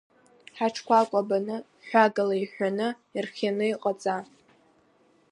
Ҳаҽқәа кәабаны, ҳәҳәагала иҳәҳәаны ирхианы иҟаҵа!